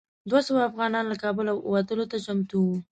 دوه سوه افغانان له کابله وتلو ته چمتو وو.